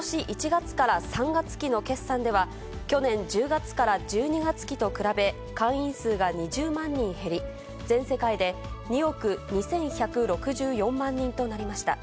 １月から３月期の決算では、去年１０月から１２月期と比べ、会員数が２０万人減り、全世界で２億２１６４万人となりました。